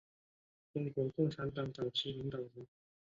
中国共产党早期领导人。